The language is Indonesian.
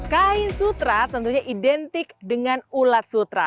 kain sutra tentunya identik dengan ulat sutra